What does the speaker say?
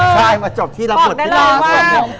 ใช่มาจบที่รับผลพี่นุ้ย